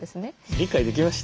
理解できました？